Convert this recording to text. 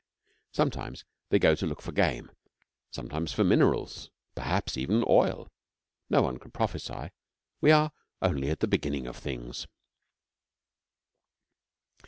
Sometimes they go to look for game; sometimes for minerals perhaps, even, oil. No one can prophesy. 'We are only at the beginning of things.'